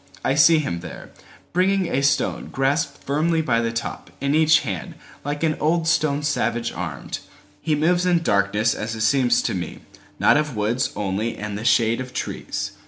I see him there, Bringing a stone grasped firmly by the topIn each hand, like an old stone savage armed. He moves in darkness as it seems to me, Not of woods only and the shade of trees.